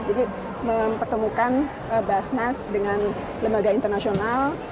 jadi mempertemukan basnas dengan lembaga internasional